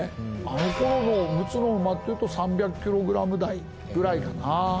あの頃の陸奥の馬っていうと３００キログラム台ぐらいかな。